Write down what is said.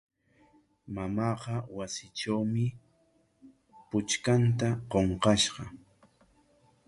Mamaaqa wasitrawmi puchkanta qunqashqa.